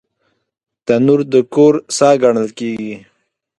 تنور د کور ساه ګڼل کېږي